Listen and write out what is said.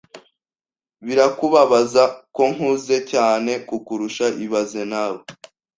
Birakubabaza ko nkuze cyane kukurusha ibaze nawe